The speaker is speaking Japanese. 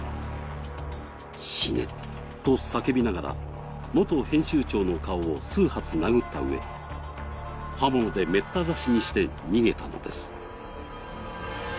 「死ね！」と叫びながら、元編集長の顔を数発殴ったうえ、刃物でメッタ刺しにして逃げたのです。